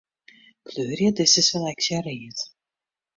Kleurje dizze seleksje read.